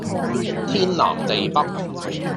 天南地北